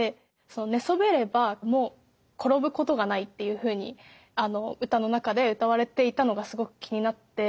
その「寝そべればもう転ぶことがない」っていうふうに歌の中で歌われていたのがすごく気になって。